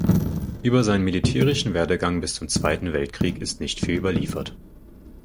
Über seinen militärischen Werdegang bis zum Zweiten Weltkrieg ist nicht viel überliefert.